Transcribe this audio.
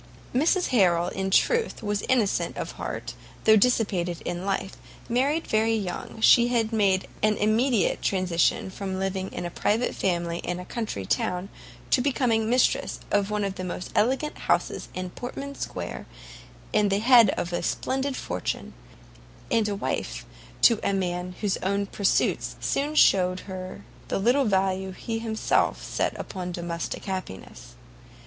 Mrs Harrel, in truth, was innocent of heart, though dissipated in life; married very young, she had made an immediate transition from living in a private family and a country town, to becoming mistress of one of the most elegant houses in Portman square, at the head of a splendid fortune, and wife to a man whose own pursuits soon showed her the little value he himself set upon domestic happiness.